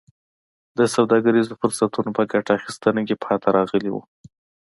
د سوداګریزو فرصتونو په ګټه اخیستنه کې پاتې راغلي وو.